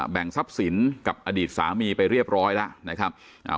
แบ่งทรัพย์สินกับอดีตสามีไปเรียบร้อยแล้วนะครับอ่า